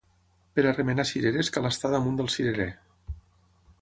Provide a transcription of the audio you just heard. Per remenar cireres cal estar damunt del cirerer.